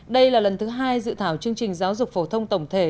đây là lần thứ hai dự thảo chương trình giáo dục phổ thông tổng thể